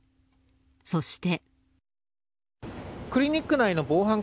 そして。